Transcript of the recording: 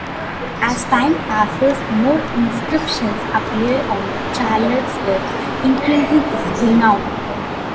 As time passes, more inscriptions appear on Charlotte's webs, increasing his renown.